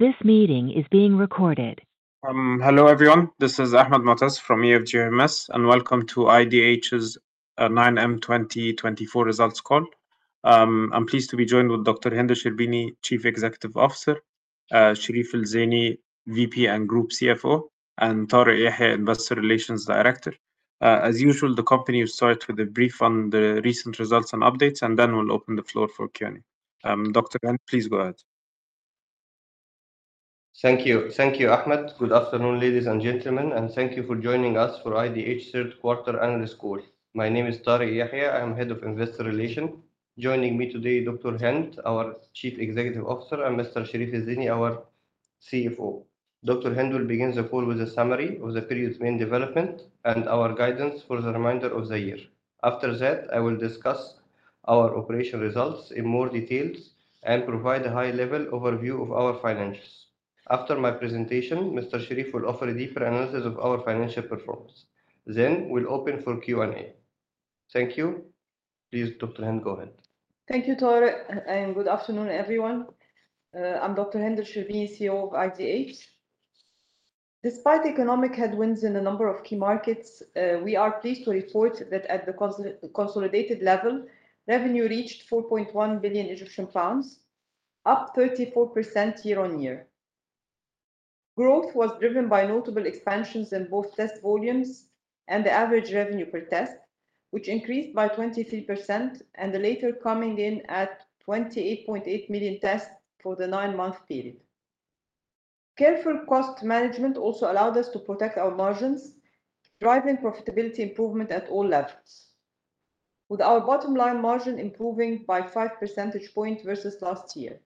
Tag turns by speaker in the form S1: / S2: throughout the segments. S1: This meeting is being recorded.
S2: Hello everyone, this is Ahmed Moataz from EFG Hermes, and welcome to IDH's 9M2024 results call. I'm pleased to be joined with Dr. Hend El Sherbini, Chief Executive Officer, Sherif El Zeiny, VP and Group CFO, and Tarek Yehia, Investor Relations Director. As usual, the company will start with a brief on the recent results and updates, and then we'll open the floor for Q&A. Dr. Hend, please go ahead.
S3: Thank you. Thank you, Ahmed. Good afternoon, ladies and gentlemen, and thank you for joining us for IDH Third Quarter Analyst Call. My name is Tarek Yehia. I am Head of Investor Relations. Joining me today, Dr. Hend, our Chief Executive Officer, and Mr. Sherif El Zeiny, our CFO. Dr. Hend will begin the call with a summary of the period's main development and our guidance for the remainder of the year. After that, I will discuss our operational results in more detail and provide a high-level overview of our financials. After my presentation, Mr. Sherif will offer a deeper analysis of our financial performance. Then we'll open for Q&A. Thank you. Please, Dr. Hend, go ahead.
S4: Thank you, Tarek, and good afternoon, everyone. I'm Dr. Hend El Sherbini, CEO of IDH. Despite economic headwinds in a number of key markets, we are pleased to report that at the consolidated level, revenue reached 4.1 billion Egyptian pounds, up 34% year-on-year. Growth was driven by notable expansions in both test volumes and the average revenue per test, which increased by 23%, and the latter coming in at 28.8 million tests for the nine-month period. Careful cost management also allowed us to protect our margins, driving profitability improvement at all levels, with our bottom line margin improving by five percentage points versus last year.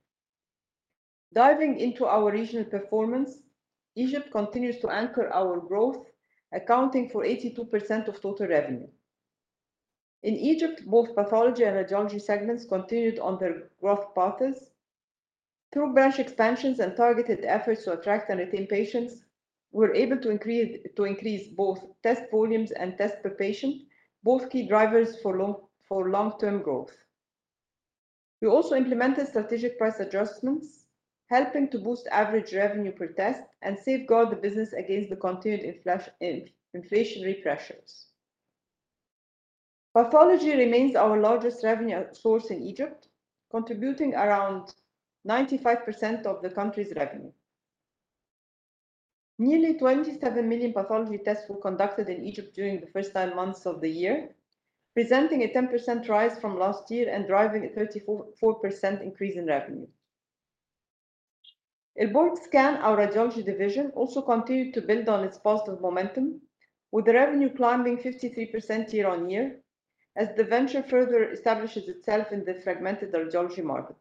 S4: Diving into our regional performance, Egypt continues to anchor our growth, accounting for 82% of total revenue. In Egypt, both pathology and radiology segments continued on their growth paths. Through branch expansions and targeted efforts to attract and retain patients, we were able to increase both test volumes and tests per patient, both key drivers for long-term growth. We also implemented strategic price adjustments, helping to boost average revenue per test and safeguard the business against the continued inflationary pressures. Pathology remains our largest revenue source in Egypt, contributing around 95% of the country's revenue. Nearly 27 million pathology tests were conducted in Egypt during the first nine months of the year, presenting a 10% rise from last year and driving a 34% increase in revenue. Al Borg Scan, our radiology division, also continued to build on its positive momentum, with the revenue climbing 53% year-on-year as the venture further establishes itself in the fragmented radiology market.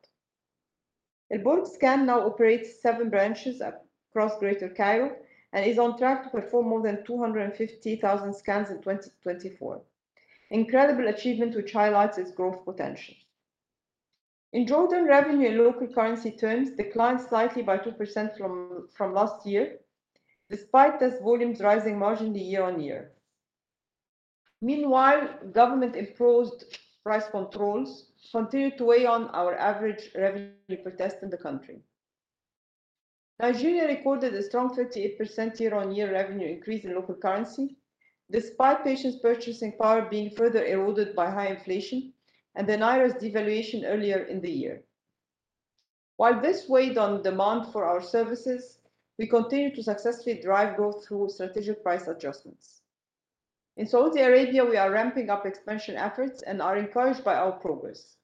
S4: Al Borg Scan now operates seven branches across Greater Cairo and is on track to perform more than 250,000 scans in 2024, an incredible achievement which highlights its growth potential. In Jordan, revenue in local currency terms declined slightly by 2% from last year, despite test volumes rising marginally year-on-year. Meanwhile, government-imposed price controls continue to weigh on our average revenue per test in the country. Nigeria recorded a strong 38% year-on-year revenue increase in local currency, despite patients' purchasing power being further eroded by high inflation and the Naira's devaluation earlier in the year. While this weighed on demand for our services, we continue to successfully drive growth through strategic price adjustments. In Saudi Arabia, we are ramping up expansion efforts and are encouraged by our progress.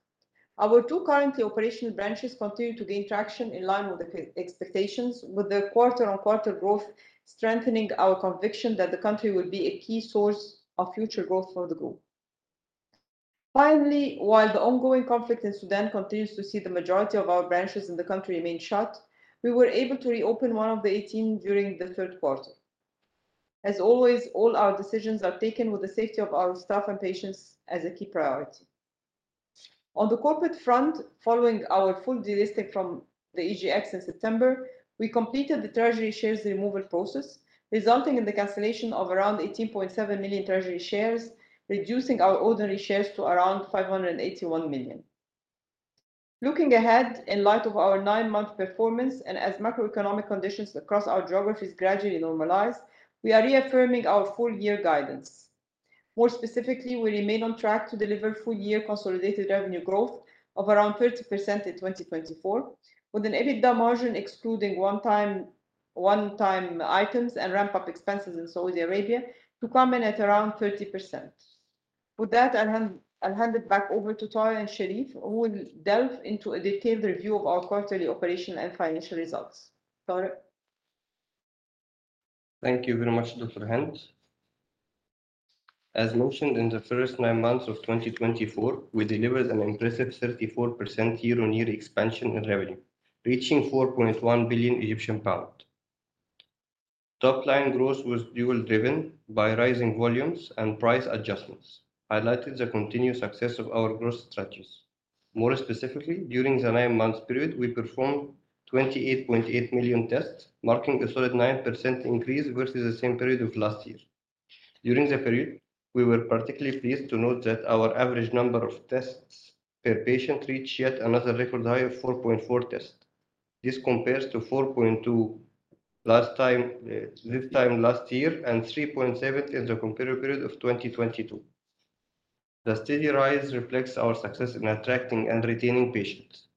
S4: Our two currently operational branches continue to gain traction in line with expectations, with the quarter-on-quarter growth strengthening our conviction that the country will be a key source of future growth for the group. Finally, while the ongoing conflict in Sudan continues to see the majority of our branches in the country remain shut, we were able to reopen one of the 18 during the third quarter. As always, all our decisions are taken with the safety of our staff and patients as a key priority. On the corporate front, following our full de-listing from the EGX in September, we completed the treasury shares removal process, resulting in the cancellation of around 18.7 million treasury shares, reducing our ordinary shares to around 581 million. Looking ahead, in light of our nine-month performance and as macroeconomic conditions across our geographies gradually normalize, we are reaffirming our full-year guidance. More specifically, we remain on track to deliver full-year consolidated revenue growth of around 30% in 2024, with an EBITDA margin excluding one-time items and ramp-up expenses in Saudi Arabia to come in at around 30%. With that, I'll hand it back over to Sherif El Zeiny, who will delve into a detailed review of our quarterly operational and financial results. Sherif?
S3: Thank you very much, Dr. Hend. As mentioned, in the first nine months of 2024, we delivered an impressive 34% year-on-year expansion in revenue, reaching 4.1 billion Egyptian pounds. Top-line growth was dual-driven by rising volumes and price adjustments, highlighting the continued success of our growth strategies. More specifically, during the nine-month period, we performed 28.8 million tests, marking a solid 9% increase versus the same period of last year. During the period, we were particularly pleased to note that our average number of tests per patient reached yet another record high of 4.4 tests. This compares to 4.2 last time this time last year and 3.7 in the comparative period of 2022. The steady rise reflects our success in attracting and retaining patients.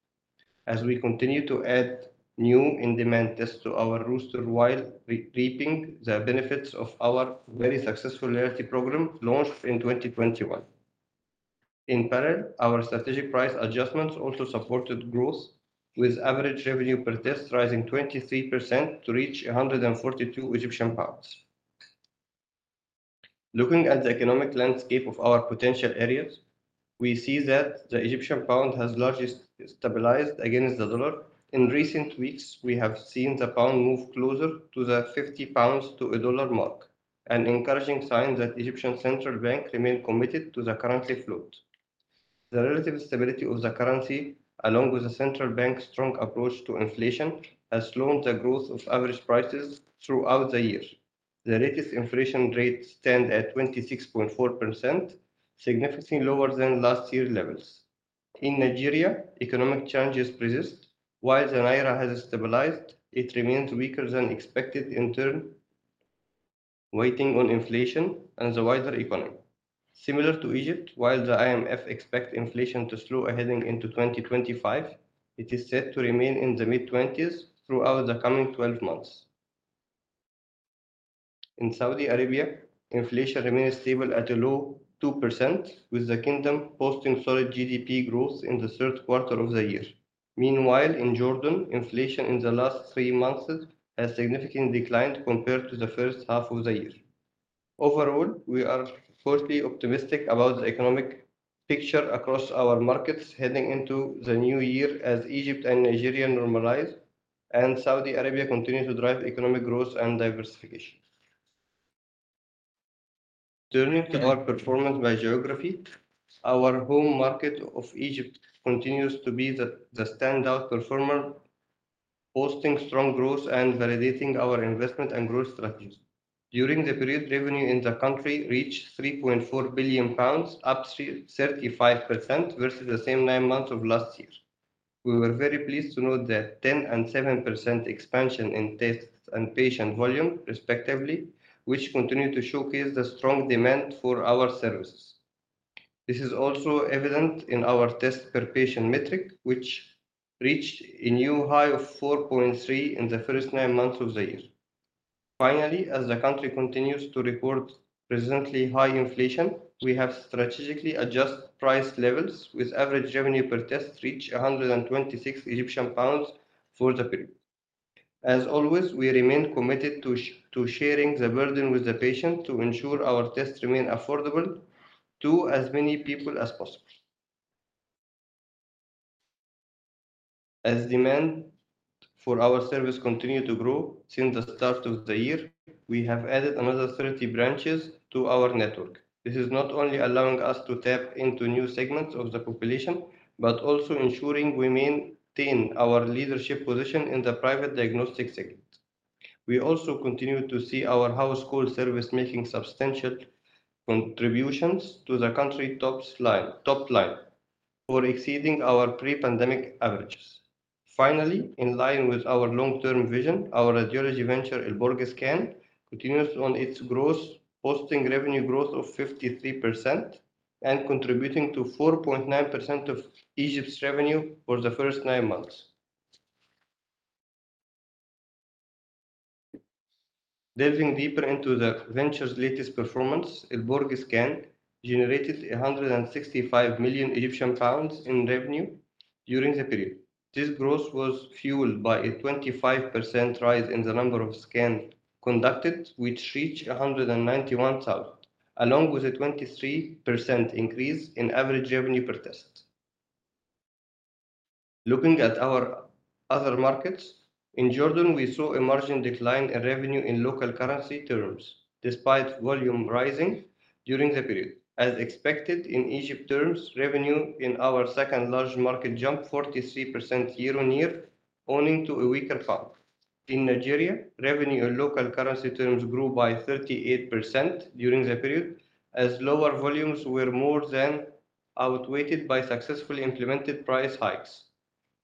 S3: As we continue to add new in-demand tests to our roster while reaping the benefits of our very successful loyalty program launched in 2021. In parallel, our strategic price adjustments also supported growth, with average revenue per test rising 23% to reach 142 Egyptian pounds. Looking at the economic landscape of our potential areas, we see that the Egyptian pound has largely stabilized against the dollar. In recent weeks, we have seen the pound move closer to the 50 pounds to a dollar mark, an encouraging sign that the Egyptian central bank remains committed to the currency float. The relative stability of the currency, along with the central bank's strong approach to inflation, has slowed the growth of average prices throughout the year. The latest inflation rate stands at 26.4%, significantly lower than last year's levels. In Nigeria, economic challenges persist. While the Naira has stabilized, it remains weaker than expected in turn, weighing on inflation and the wider economy. Similar to Egypt, while the IMF expects inflation to slow ahead into 2025, it is said to remain in the mid-20s% throughout the coming 12 months. In Saudi Arabia, inflation remains stable at a low 2%, with the kingdom posting solid GDP growth in the third quarter of the year. Meanwhile, in Jordan, inflation in the last three months has significantly declined compared to the first half of the year. Overall, we are fairly optimistic about the economic picture across our markets heading into the new year as Egypt and Nigeria normalize, and Saudi Arabia continues to drive economic growth and diversification. Turning to our performance by geography, our home market of Egypt continues to be the standout performer, posting strong growth and validating our investment and growth strategies. During the period, revenue in the country reached 3.4 billion pounds, up 35% versus the same nine months of last year. We were very pleased to note the 10% and 7% expansion in tests and patient volume, respectively, which continued to showcase the strong demand for our services. This is also evident in our tests per patient metric, which reached a new high of 4.3 in the first nine months of the year. Finally, as the country continues to report presently high inflation, we have strategically adjusted price levels, with average revenue per test reaching 126 Egyptian pounds for the period. As always, we remain committed to sharing the burden with the patient to ensure our tests remain affordable to as many people as possible. As demand for our service continued to grow since the start of the year, we have added another 30 branches to our network. This is not only allowing us to tap into new segments of the population, but also ensuring we maintain our leadership position in the private diagnostic segment. We also continue to see our house call service making substantial contributions to the company's top line by exceeding our pre-pandemic averages. Finally, in line with our long-term vision, our radiology venture, Al Borg Scan, continues on its growth, posting revenue growth of 53% and contributing to 4.9% of Egypt's revenue for the first nine months. Delving deeper into the venture's latest performance, Al Borg Scan generated 165 million Egyptian pounds in revenue during the period. This growth was fueled by a 25% rise in the number of scans conducted, which reached 191,000, along with a 23% increase in average revenue per test. Looking at our other markets, in Jordan, we saw a margin decline in revenue in local currency terms despite volume rising during the period. As expected in Egypt terms, revenue in our second-largest market jumped 43% year-on-year, owing to a weaker pound. In Nigeria, revenue in local currency terms grew by 38% during the period as lower volumes were more than outweighed by successfully implemented price hikes.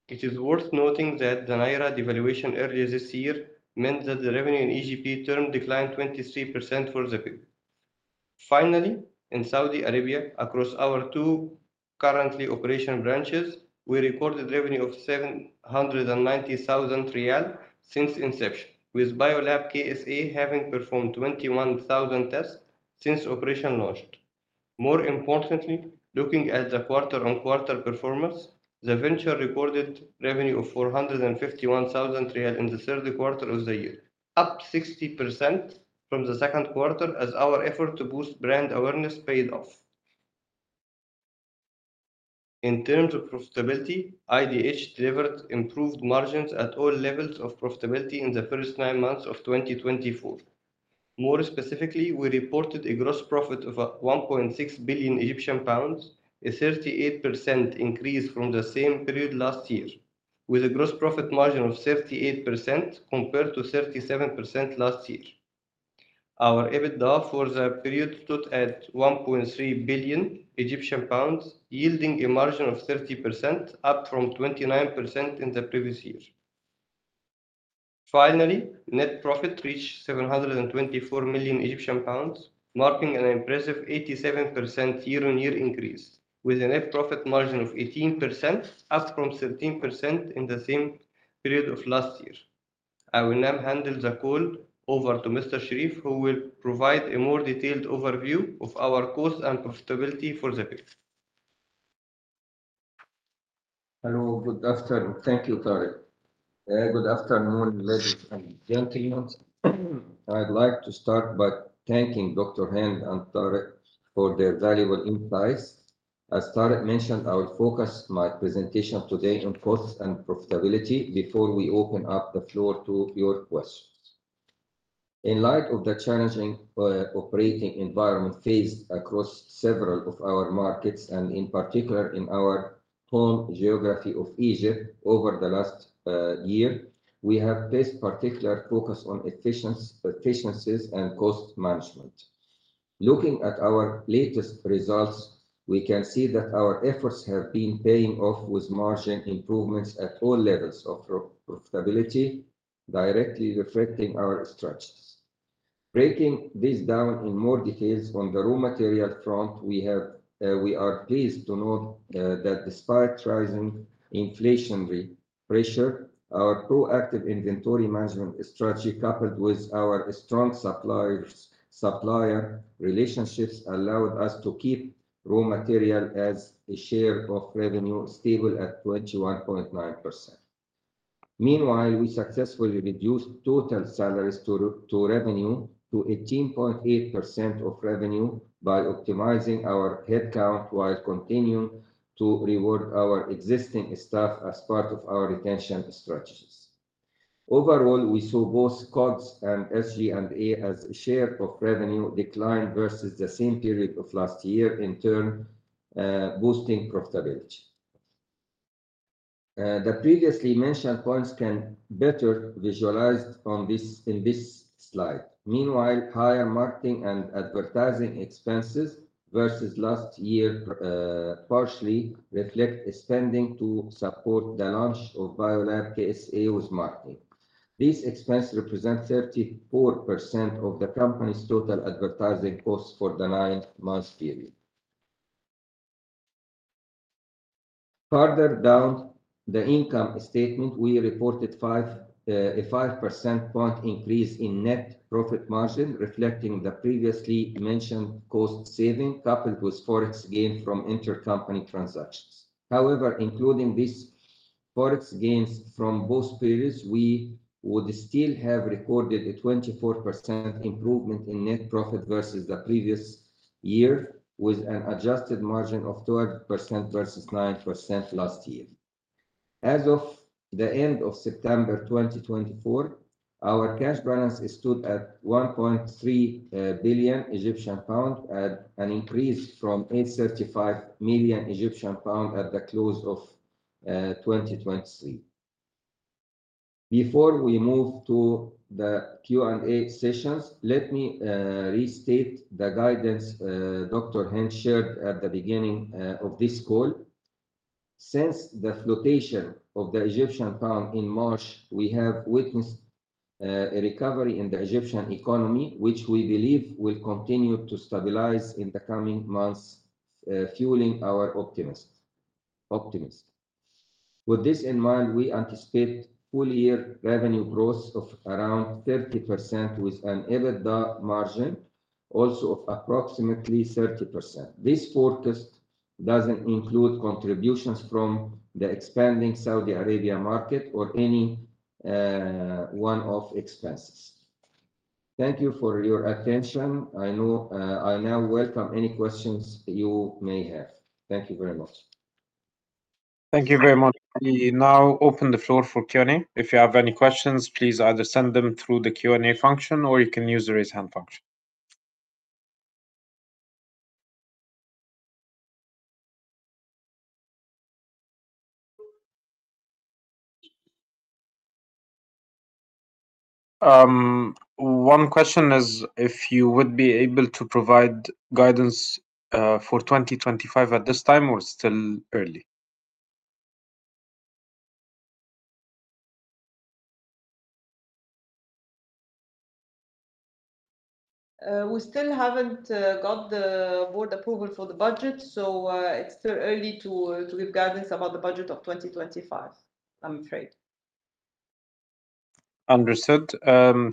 S3: It is worth noting that the Naira devaluation earlier this year meant that the revenue in Egypt terms declined 23% for the period. Finally, in Saudi Arabia, across our two currently operational branches, we recorded revenue of SAR 790,000 since inception, with Biolab KSA having performed 21,000 tests since operation launched. More importantly, looking at the quarter-on-quarter performance, the venture recorded revenue of SAR 451,000 in the third quarter of the year, up 60% from the second quarter as our effort to boost brand awareness paid off. In terms of profitability, IDH delivered improved margins at all levels of profitability in the first nine months of 2024. More specifically, we reported a gross profit of 1.6 billion Egyptian pounds, a 38% increase from the same period last year, with a gross profit margin of 38% compared to 37% last year. Our EBITDA for the period stood at 1.3 billion Egyptian pounds, yielding a margin of 30%, up from 29% in the previous year. Finally, net profit reached 724 million Egyptian pounds, marking an impressive 87% year-on-year increase, with a net profit margin of 18%, up from 13% in the same period of last year. I will now handle the call over to Mr. Sherif, who will provide a more detailed overview of our cost and profitability for the period.
S5: Hello. Good afternoon. Thank you, Tarek. Good afternoon, ladies and gentlemen. I'd like to start by thanking Dr. Hend and Tarek for their valuable insights. As Tarek mentioned, I will focus my presentation today on cost and profitability before we open up the floor to your questions. In light of the challenging operating environment faced across several of our markets, and in particular in our home geography of Egypt over the last year, we have placed particular focus on efficiencies and cost management. Looking at our latest results, we can see that our efforts have been paying off with margin improvements at all levels of profitability, directly reflecting our strategies. Breaking this down in more detail on the raw material front, we are pleased to note that despite rising inflationary pressure, our proactive inventory management strategy, coupled with our strong supplier relationships, allowed us to keep raw material as a share of revenue stable at 21.9%. Meanwhile, we successfully reduced total salaries to revenue to 18.8% of revenue by optimizing our headcount while continuing to reward our existing staff as part of our retention strategies. Overall, we saw both COGS and SG&A as a share of revenue decline versus the same period of last year, in turn boosting profitability. The previously mentioned points can be better visualized in this slide. Meanwhile, higher marketing and advertising expenses versus last year partially reflect spending to support the launch of Biolab KSA with marketing. These expenses represent 34% of the company's total advertising costs for the nine-month period. Further down the income statement, we reported a 5 percentage point increase in net profit margin, reflecting the previously mentioned cost saving coupled with forex gain from intercompany transactions. However, including these forex gains from both periods, we would still have recorded a 24% improvement in net profit versus the previous year, with an adjusted margin of 12% versus 9% last year. As of the end of September 2024, our cash balance stood at 1.3 billion Egyptian pounds, an increase from 835 million Egyptian pounds at the close of 2023. Before we move to the Q&A sessions, let me restate the guidance Dr. Hend shared at the beginning of this call. Since the flotation of the Egyptian pound in March, we have witnessed a recovery in the Egyptian economy, which we believe will continue to stabilize in the coming months, fueling our optimism. With this in mind, we anticipate full-year revenue growth of around 30% with an EBITDA margin also of approximately 30%. This forecast doesn't include contributions from the expanding Saudi Arabia market or any one-off expenses. Thank you for your attention. I now welcome any questions you may have. Thank you very much.
S2: Thank you very much. We now open the floor for Q&A. If you have any questions, please either send them through the Q&A function or you can use the raise hand function. One question is if you would be able to provide guidance for 2025 at this time or still early?
S4: We still haven't got the board approval for the budget, so it's still early to give guidance about the budget of 2025, I'm afraid.
S2: Understood.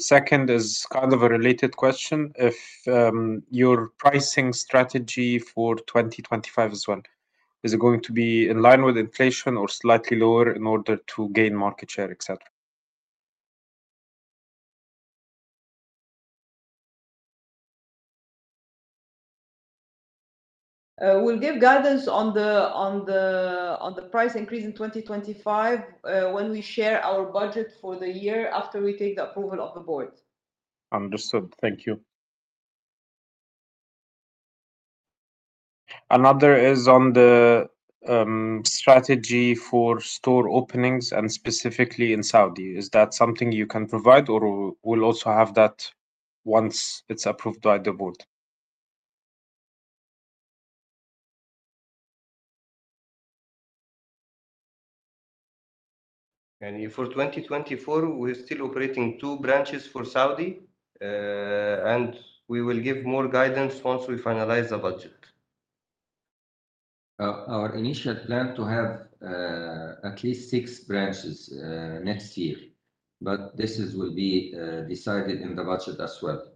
S2: Second is kind of a related question. If your pricing strategy for 2025 is one, is it going to be in line with inflation or slightly lower in order to gain market share, etc.?
S4: We'll give guidance on the price increase in 2025 when we share our budget for the year after we take the approval of the board.
S2: Understood. Thank you. Another is on the strategy for store openings and specifically in Saudi. Is that something you can provide or we'll also have that once it's approved by the board?
S5: For 2024, we're still operating two branches for Saudi, and we will give more guidance once we finalize the budget. Our initial plan is to have at least six branches next year, but this will be decided in the budget as well.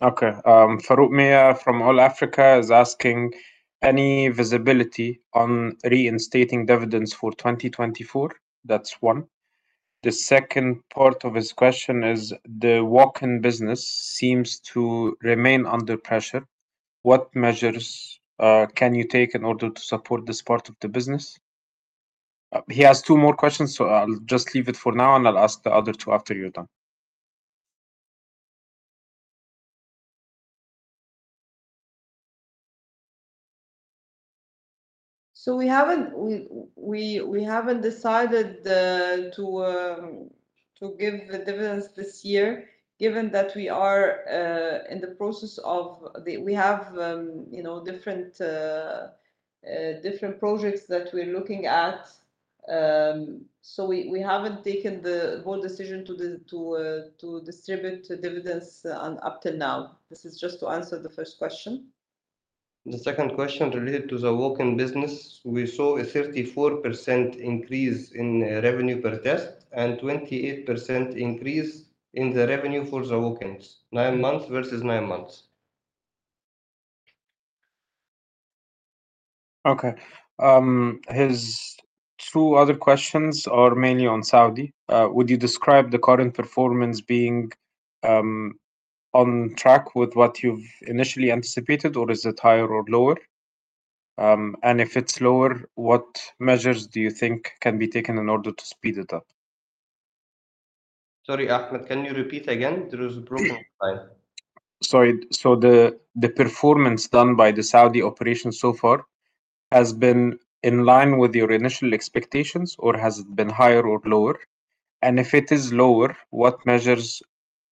S2: Okay. Farouk Miah from AllAfrica is asking, any visibility on reinstating dividends for 2024? That's one. The second part of his question is, the walk-in business seems to remain under pressure. What measures can you take in order to support this part of the business? He has two more questions, so I'll just leave it for now, and I'll ask the other two after you're done.
S4: We haven't decided to give the dividends this year, given that we are in the process of, we have different projects that we're looking at. We haven't taken the board decision to distribute dividends up till now. This is just to answer the first question.
S5: The second question related to the walk-in business, we saw a 34% increase in revenue per test and a 28% increase in the revenue for the walk-ins, nine months versus nine months.
S2: Okay. His two other questions are mainly on Saudi. Would you describe the current performance being on track with what you've initially anticipated, or is it higher or lower? And if it's lower, what measures do you think can be taken in order to speed it up?
S5: Sorry, Ahmed, can you repeat again? There was a broken line.
S2: Sorry. So the performance done by the Saudi operation so far has been in line with your initial expectations, or has it been higher or lower? And if it is lower, what measures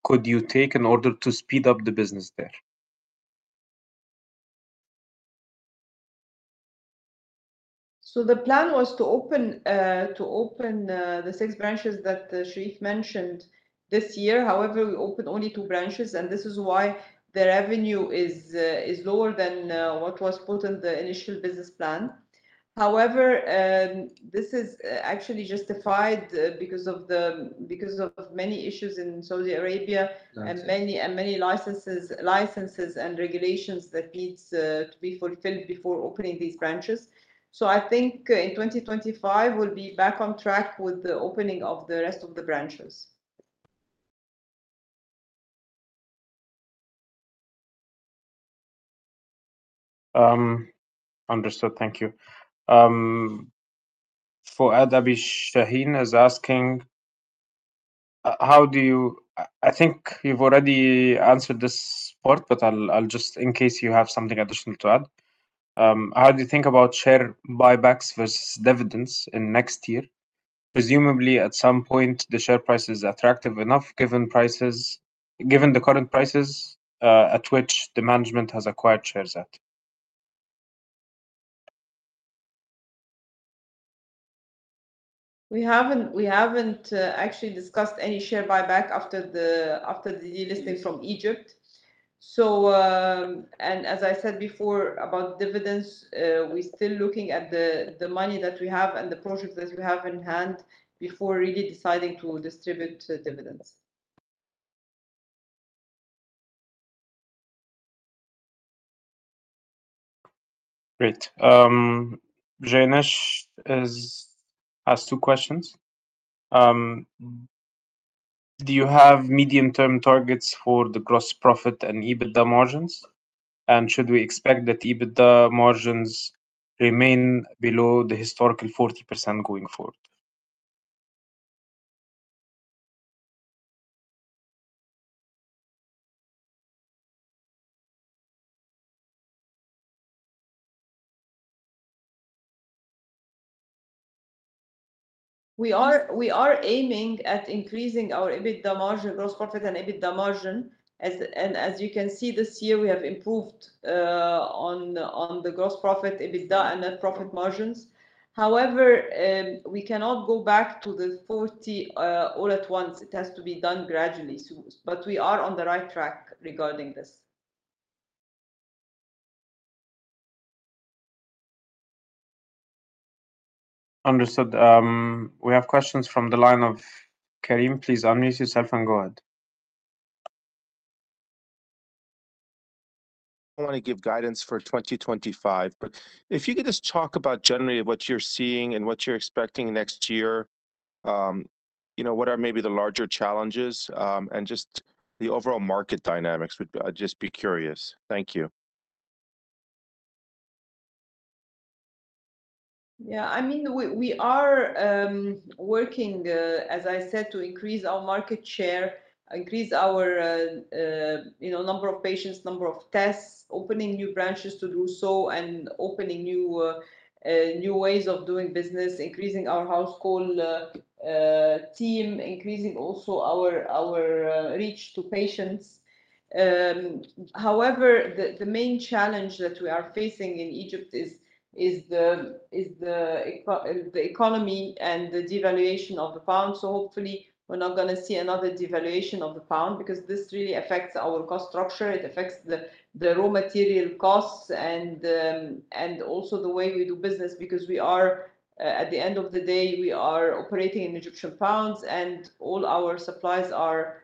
S2: could you take in order to speed up the business there?
S4: So the plan was to open the six branches that Sherif mentioned this year. However, we opened only two branches, and this is why the revenue is lower than what was put in the initial business plan. However, this is actually justified because of many issues in Saudi Arabia and many licenses and regulations that need to be fulfilled before opening these branches. So I think in 2025, we'll be back on track with the opening of the rest of the branches.
S2: Understood. Thank you. Fouad Abou Shahin is asking, how do you—I think you've already answered this part, but I'll just—in case you have something additional to add, how do you think about share buybacks versus dividends in next year? Presumably, at some point, the share price is attractive enough, given the current prices at which the management has acquired shares at.
S4: We haven't actually discussed any share buyback after the de-listing from Egypt. And as I said before about dividends, we're still looking at the money that we have and the projects that we have in hand before really deciding to distribute dividends.
S2: Great. Jainesh has two questions. Do you have medium-term targets for the gross profit and EBITDA margins? And should we expect that EBITDA margins remain below the historical 40% going forward?
S4: We are aiming at increasing our EBITDA margin, gross profit and EBITDA margin. And as you can see, this year, we have improved on the gross profit, EBITDA, and net profit margins. However, we cannot go back to the 40 all at once. It has to be done gradually. But we are on the right track regarding this.
S2: Understood. We have questions from the line of Karim. Please unmute yourself and go ahead. I want to give guidance for 2025. But if you could just talk about generally what you're seeing and what you're expecting next year, what are maybe the larger challenges and just the overall market dynamics, I'd just be curious. Thank you.
S4: Yeah. I mean, we are working, as I said, to increase our market share, increase our number of patients, number of tests, opening new branches to do so and opening new ways of doing business, increasing our house call team, increasing also our reach to patients. However, the main challenge that we are facing in Egypt is the economy and the devaluation of the pound. So hopefully, we're not going to see another devaluation of the pound because this really affects our cost structure. It affects the raw material costs and also the way we do business because at the end of the day, we are operating in Egyptian pounds and all our supplies are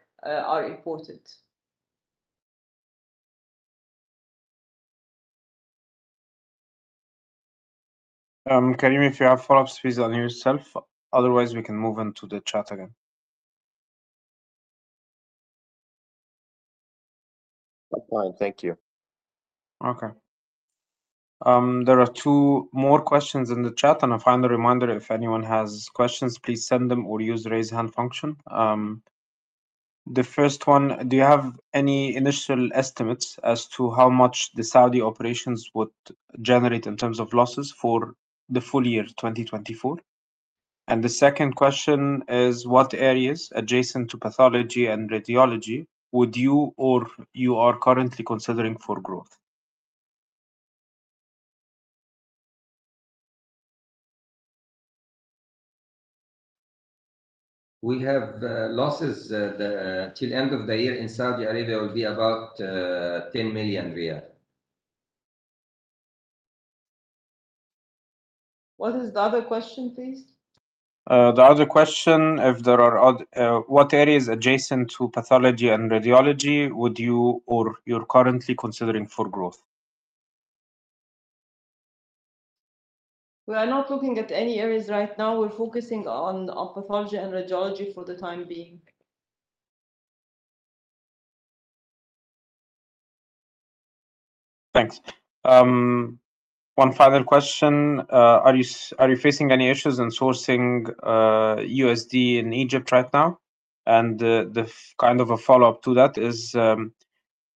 S4: imported.
S2: Karim, if you have follow-ups, please unmute yourself. Otherwise, we can move into the chat again.
S5: Fine, thank you.
S2: Okay. There are two more questions in the chat, and a final reminder, if anyone has questions, please send them or use the raise hand function. The first one, do you have any initial estimates as to how much the Saudi operations would generate in terms of losses for the full year 2024? And the second question is, what areas adjacent to pathology and radiology would you or you are currently considering for growth?
S5: We have losses till the end of the year in Saudi Arabia will be about 10 million riyal.
S4: What is the other question, please?
S2: The other question, if there are what areas adjacent to pathology and radiology would you or you're currently considering for growth?
S4: We are not looking at any areas right now. We're focusing on pathology and radiology for the time being.
S2: Thanks. One final question. Are you facing any issues in sourcing USD in Egypt right now? And kind of a follow-up to that is,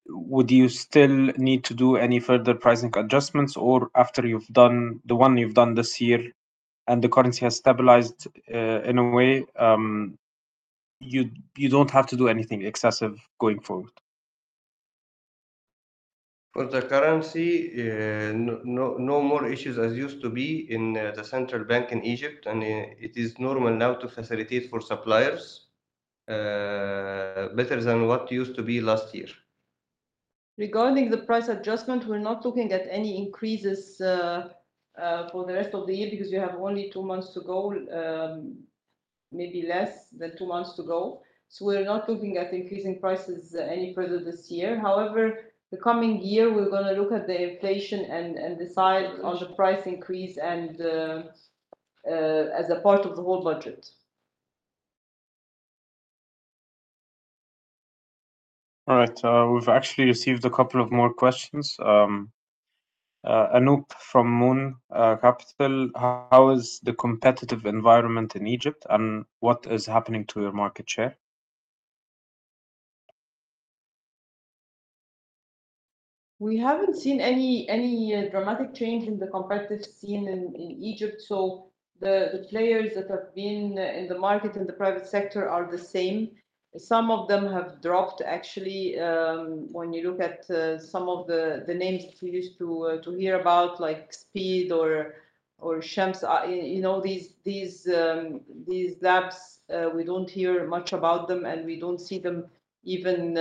S2: would you still need to do any further pricing adjustments or after you've done the one you've done this year and the currency has stabilized in a way, you don't have to do anything excessive going forward?
S5: For the currency, no more issues as used to be in the Central Bank of Egypt, and it is normal now to facilitate for suppliers better than what used to be last year.
S4: Regarding the price adjustment, we're not looking at any increases for the rest of the year because we have only two months to go, maybe less than two months to go. So we're not looking at increasing prices any further this year. However, the coming year, we're going to look at the inflation and decide on the price increase as a part of the whole budget.
S2: All right. We've actually received a couple of more questions. Anoop from Moon Capital, how is the competitive environment in Egypt and what is happening to your market share?
S4: We haven't seen any dramatic change in the competitive scene in Egypt. So the players that have been in the market in the private sector are the same. Some of them have dropped, actually. When you look at some of the names that you used to hear about, like Speed or Shams, these labs, we don't hear much about them, and we don't see them even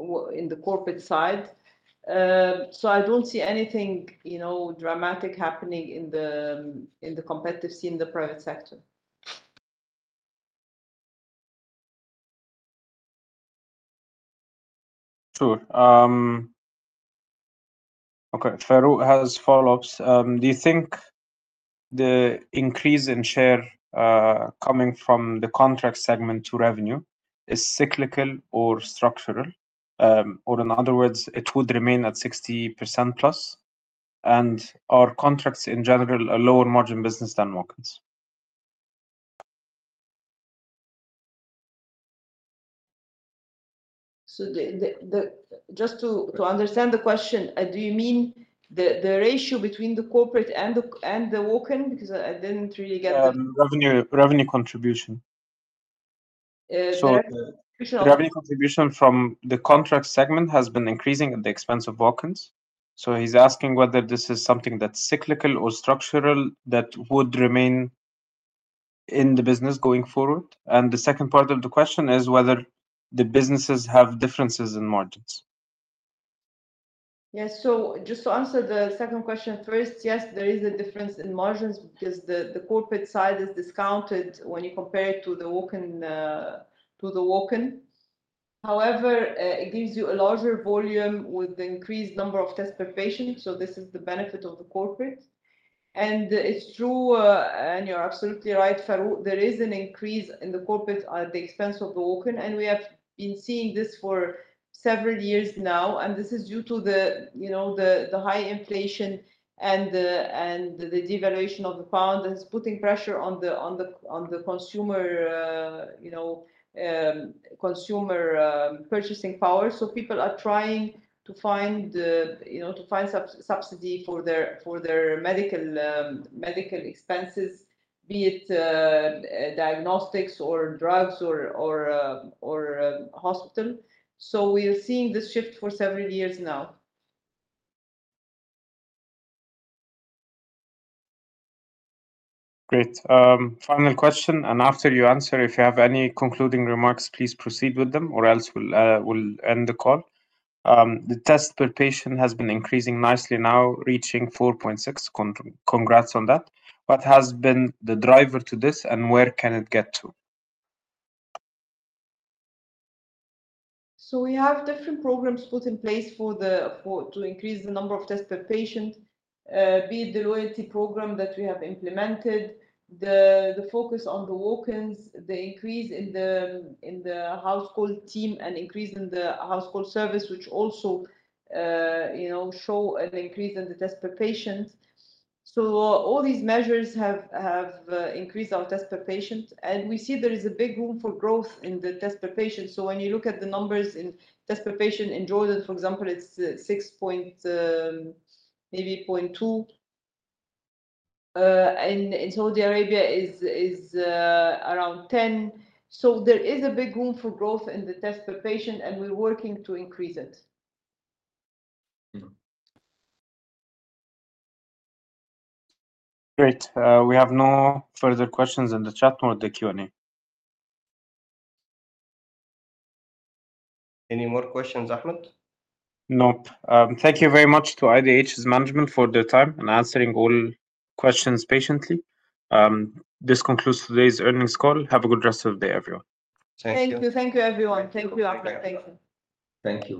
S4: in the corporate side. So I don't see anything dramatic happening in the competitive scene in the private sector.
S2: Sure. Okay. Farouk has follow-ups. Do you think the increase in share coming from the contract segment to revenue is cyclical or structural, or in other words, it would remain at 60% plus? And are contracts in general a lower margin business than walk-ins?
S4: So just to understand the question, do you mean the ratio between the corporate and the walk-in? Because I didn't really get the.
S2: Revenue contribution.
S4: Sorry.
S2: Revenue contribution from the contract segment has been increasing at the expense of walk-ins. So he's asking whether this is something that's cyclical or structural that would remain in the business going forward. And the second part of the question is whether the businesses have differences in margins.
S4: Yes. So just to answer the second question first, yes, there is a difference in margins because the corporate side is discounted when you compare it to the walk-in. However, it gives you a larger volume with the increased number of tests per patient. So this is the benefit of the corporate. And it's true, and you're absolutely right, Farouk, there is an increase in the corporate at the expense of the walk-in. And we have been seeing this for several years now. And this is due to the high inflation and the devaluation of the pound that is putting pressure on the consumer purchasing power. So people are trying to find subsidy for their medical expenses, be it diagnostics or drugs or hospital. So we're seeing this shift for several years now.
S2: Great. Final question. And after you answer, if you have any concluding remarks, please proceed with them, or else we'll end the call. The test per patient has been increasing nicely now, reaching 4.6. Congrats on that. What has been the driver to this, and where can it get to?
S4: We have different programs put in place to increase the number of tests per patient, be it the loyalty program that we have implemented, the focus on the walk-ins, the increase in the house call team, and increase in the house call service, which also show an increase in the test per patient. So all these measures have increased our test per patient. And we see there is a big room for growth in the test per patient. So when you look at the numbers in test per patient in Jordan, for example, it's six point maybe 0.2. And in Saudi Arabia, it's around 10. So there is a big room for growth in the test per patient, and we're working to increase it.
S2: Great. We have no further questions in the chat or the Q&A.
S5: Any more questions, Ahmed?
S2: Nope. Thank you very much to IDH's management for their time and answering all questions patiently. This concludes today's earnings call. Have a good rest of the day, everyone.
S4: Thank you. Thank you, everyone. Thank you, Ahmed. Thank you.
S5: Thank you.